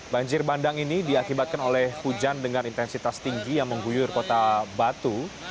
banjir bandang ini diakibatkan oleh hujan dengan intensitas tinggi yang mengguyur kota batu